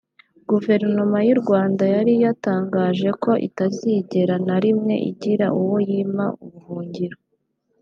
Guverinoma y’u Rwanda yari yatangaje ko itazigera na rimwe igira uwo yima ubuhungiro